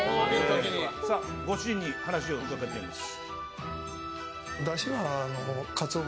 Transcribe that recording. ご主人に話を伺っています。